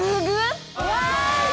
うわ！